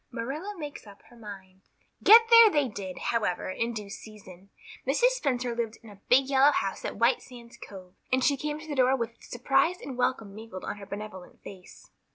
Marilla Makes Up Her Mind GET there they did, however, in due season. Mrs. Spencer lived in a big yellow house at White Sands Cove, and she came to the door with surprise and welcome mingled on her benevolent face.